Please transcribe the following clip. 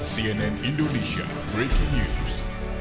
siren indonesia breaking news